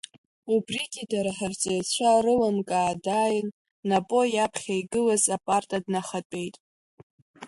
Убригьы дара ҳарҵаҩцәа рылымкаа дааин, Напо иаԥхьа игылаз апарта днахатәеит.